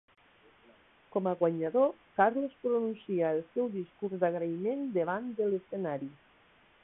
Com a guanyador, Carlos pronuncia el seu discurs d'agraïment davant de l'escenari.